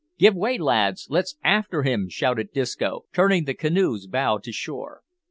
"Give way, lads; let's after him," shouted Disco, turning the canoe's bow to shore.